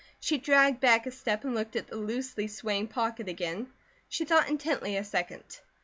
She dragged back a step and looked at the loosely swaying pocket again. She thought intently a second.